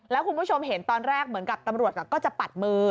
แล้วคุณผู้ชมเห็นตอนแรกเหมือนกับตำรวจก็จะปัดมือ